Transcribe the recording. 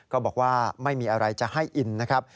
ก็บอกว่าไม่มีอะไรจะให้อินนะครับ